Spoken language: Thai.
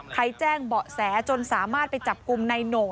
แจ้งเบาะแสจนสามารถไปจับกลุ่มในโหน่ง